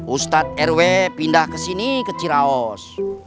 ustadz rw pindah ke sini ke ciraos